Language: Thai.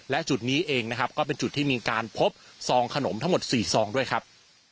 และจุดนี้เองนะครับก็เป็นจุดที่มีการพบซองขนมทั้งหมด๔ซองด้วยครับ